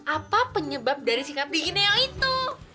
apa penyebab dari singkat gigi neo itu